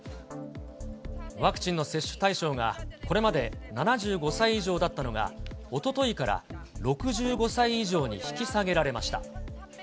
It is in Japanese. ワクチンの接種対象が、これまで７５歳以上だったのが、おとといから６５歳以上に引き下げられました。